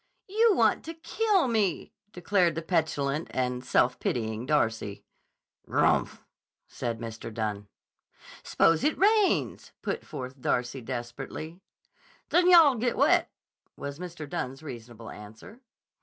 "You want to kill me!" declared the petulant and self pitying Darcy. "Grmph!" said Mr. Dunne. "Suppose it rains?" put forth Darcy desperately. "Then yah'll get wet," was Mr. Dunne's reasonable answer.